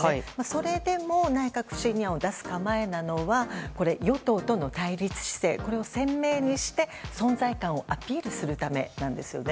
それでも内閣不信任案を出す構えなのは与党との対立姿勢を鮮明にして存在感をアピールするためなんですね。